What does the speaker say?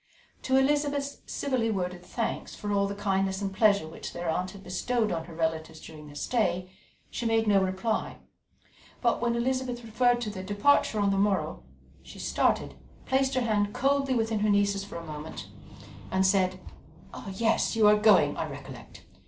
To Elizabeth's civilly worded thanks for all the kindness and pleasure which their aunt had bestowed on her relatives during their stay, she made no reply; but when Elizabeth referred to their departure on the morrow, she started, placed her hand coldly within her niece's for a moment, and said: "Yes, you are going, I recollect.